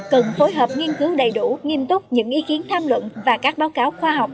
cần phối hợp nghiên cứu đầy đủ nghiêm túc những ý kiến tham luận và các báo cáo khoa học